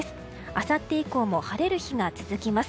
あさって以降も晴れる日が続きます。